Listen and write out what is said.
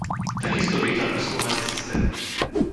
Takisto vítam preskúmanie systému.